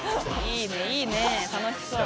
いいねいいね楽しそう。